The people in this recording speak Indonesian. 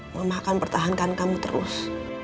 mama akan pertahankan kamu terus